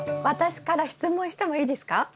私から質問してもいいですか？